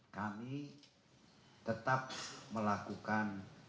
kami tetap melakukan pencariannya